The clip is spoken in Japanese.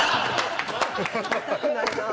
見たくないな。